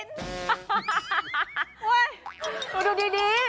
โอ๊ยคุณดูดี